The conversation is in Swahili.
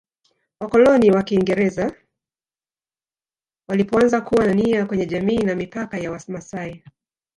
Wakoloni wa Wakiingereza walipoanza kuwa na nia kwenye jamii na mipaka ya wamasai